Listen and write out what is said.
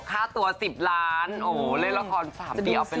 ค่าตัว๑๐ล้านโอ้โหเล่นละครสามเปียบไปเลย